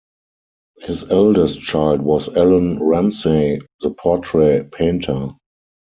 His eldest child was Allan Ramsay, the portrait painter.